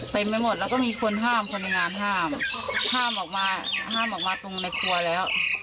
ไปหมดแล้วก็มีคนห้ามคนในงานห้ามห้ามออกมาห้ามออกมาตรงในครัวแล้ว